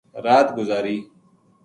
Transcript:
رات گزری